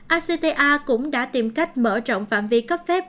acta cũng đã tìm cách mở rộng phạm vi cấp phép